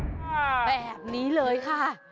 แบบนี้เลยค่ะ